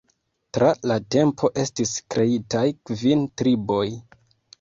Tra la tempo estis kreitaj kvin triboj.